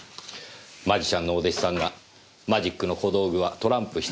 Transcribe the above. マジシャンのお弟子さんがマジックの小道具はトランプ１つですか。